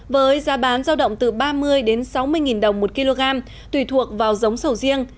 với giá bán giao động từ ba mươi sáu mươi đồng một kg tùy thuộc vào giống sầu riêng